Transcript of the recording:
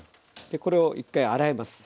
これを１回洗います。